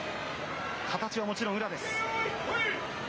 形はもちろん宇良です。